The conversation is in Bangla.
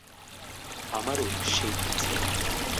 আমারও সেই ইচ্ছে।